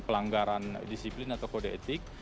pelanggaran disiplin atau kode etik